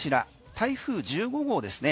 台風１５号ですね。